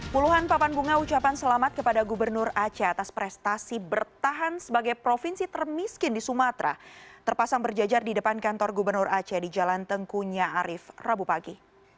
puluhan papan bunga ucapan selamat kepada gubernur aceh atas prestasi bertahan sebagai provinsi termiskin di sumatera terpasang berjajar di depan kantor gubernur aceh di jalan tengkunya arief rabu pagi